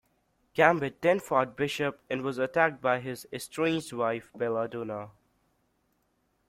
Gambit then fought Bishop and was attacked by his estranged wife Bella Donna.